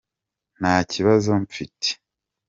ntakibazo mfite.